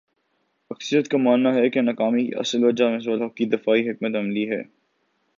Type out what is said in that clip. اکثریت کا ماننا ہے کہ ناکامی کی اصل وجہ مصباح الحق کی دفاعی حکمت عملی ہے